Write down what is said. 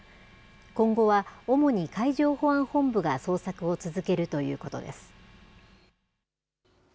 今後は主に海上保安本部が捜索を続けるということです。